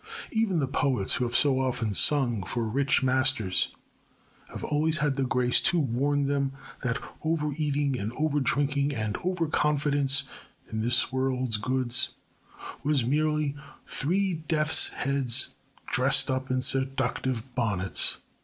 Even the poets, who have so often sung for rich masters, have always had the grace to warn them that over eating and over drinking and over confidence in this world's goods were merely three death's heads dressed up in seductive bonnets.